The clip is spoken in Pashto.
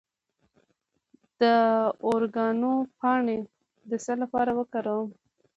د اوریګانو پاڼې د څه لپاره وکاروم؟